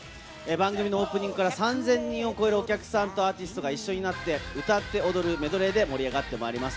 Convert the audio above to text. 番組のオープニングから３０００人を超えるお客さんとアーティストが一緒になって歌って踊るメドレーで盛り上がってまいります。